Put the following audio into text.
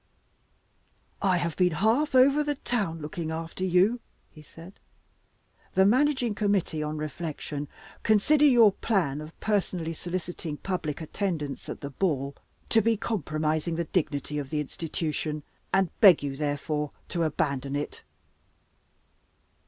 "I have been half over the town looking after you," he said. "The Managing Committee, on reflection, consider your plan of personally soliciting public attendance at the hall to be compromising the dignity of the Institution, and beg you, therefore, to abandon it."